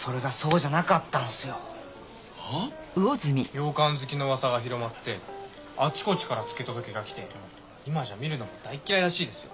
ようかん好きの噂が広まってあちこちから付け届けが来て今じゃ見るのも大嫌いらしいですよ。